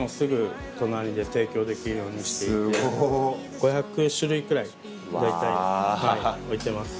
５００種類くらい大体置いてます。